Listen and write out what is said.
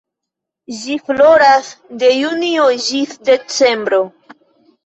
Ĝi floras de junio ĝis decembro.